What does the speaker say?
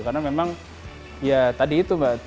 karena memang ya tadi itu mbak